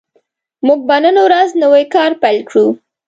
موږ به نن ورځ نوی کار پیل کړو